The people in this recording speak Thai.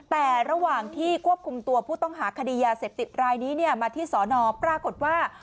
แต่ระหว่างที่ควบคุมตัวผู้ต้องหาคดียาเสพติดรายนี้มาที่สอนอปรากฏว่า